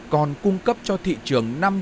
còn cung cấp cho thị trường